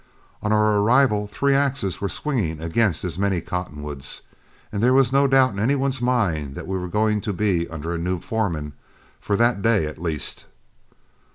On our arrival three axes were swinging against as many cottonwoods, and there was no doubt in any one's mind that we were going to be under a new foreman for that day at least.